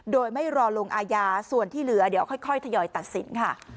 โดยไม่รอลงอาญาส่วนที่เหลือเดี๋ยวค่อยทยอยตัดสินค่ะ